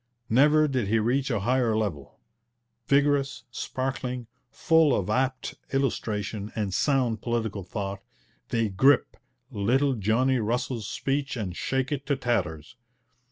Never did he reach a higher level. Vigorous, sparkling, full of apt illustration and sound political thought, they grip 'little Johnny Russell's' speech and shake it to tatters.